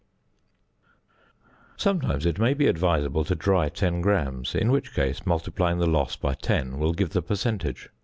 ] Sometimes it may be advisable to dry 10 grams, in which case multiplying the loss by 10 will give the percentage.